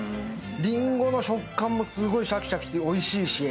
りんごの食感もすごいシャキシャキしておいしいし。